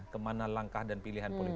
kemana langkah dan pilihan politik